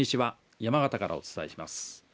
山形からお伝えします。